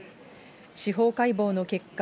司法解剖の結果、